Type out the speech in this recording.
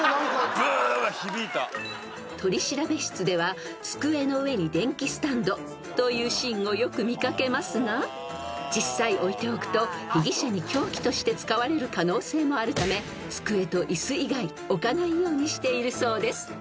［取調室では机の上に電気スタンドというシーンをよく見かけますが実際置いておくと被疑者に凶器として使われる可能性もあるため机と椅子以外置かないようにしているそうです］